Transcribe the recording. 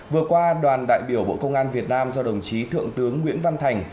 vừa qua đoàn đại biểu bộ công an việt nam do đồng chí thượng tướng nguyễn văn thành